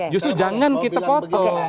justru jangan kita foto